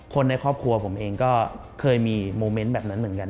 คนในครอบครัวผมเองก็เคยมีโมเมนต์แบบนั้นเหมือนกัน